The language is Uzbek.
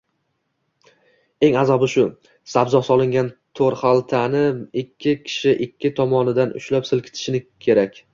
Eng azobi shu. Sabzi solingan toʻrxaltani ikki kishi ikki tomonidan ushlab silkitishi kerak.